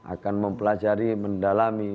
akan mempelajari mendalami